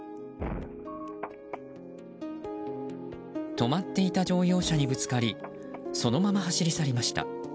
止まっていた乗用車にぶつかりそのまま走り去りました。